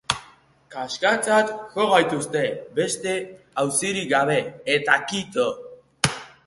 Kaskartzat jo gaituzte, beste auzirik gabe, eta kito.